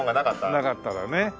なかったらね。